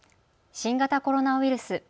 新型コロナウイルス。